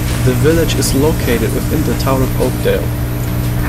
The village is located within the Town of Oakdale.